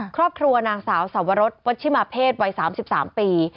ครอบครัวนางสาวสวรสวัชิมาเพศวัย๓๓ปี